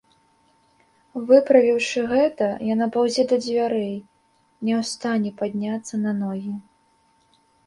Выправіўшы гэта, яна паўзе да дзвярэй, ня ў стане падняцца на ногі.